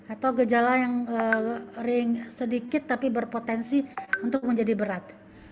atau gejala sedikit tapi berpotensi untuk menjadi berat